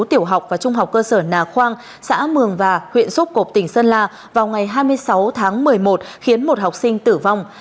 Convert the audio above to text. tiểu học và trung học cơ sở nà khoang xã mường và huyện xúc cộp tỉnh sơn la vào ngày hai mươi sáu tháng một mươi một khiến một học sinh tử vong